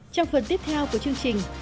trong phần tiếp theo của chương trình